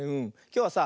きょうはさ